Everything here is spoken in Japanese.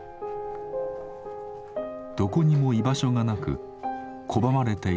どこにも居場所がなく拒まれていた記憶。